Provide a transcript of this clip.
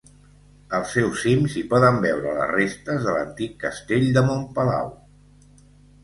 Al seu cim s'hi poden veure les restes de l'antic castell de Montpalau.